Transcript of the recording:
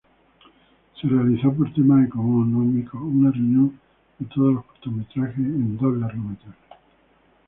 Se realizó, por temas económicos, una unión de todos los cortometrajes en dos largometrajes.